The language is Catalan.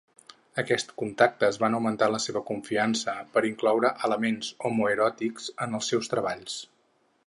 Aquests contactes van augmentar la seva confiança per incloure elements homoeròtics en els seus treballs.